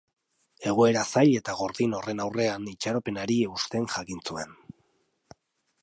Egoera zail eta gordin horren aurrean itxaropenari eusten jakin zuen.